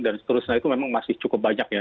dan seterusnya itu memang masih cukup banyak ya